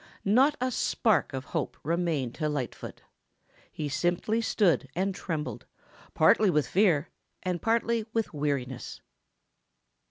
Not a spark of hope remained to Lightfoot. He simply stood still and trembled, partly with fear and partly with weariness.